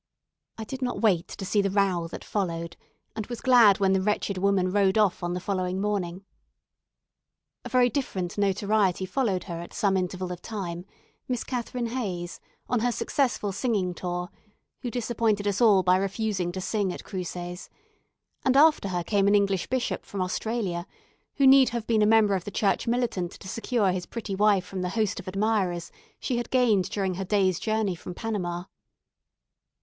I did not wait to see the row that followed, and was glad when the wretched woman rode off on the following morning. A very different notoriety followed her at some interval of time Miss Catherine Hayes, on her successful singing tour, who disappointed us all by refusing to sing at Cruces; and after her came an English bishop from Australia, who need have been a member of the church militant to secure his pretty wife from the host of admirers she had gained during her day's journey from Panama.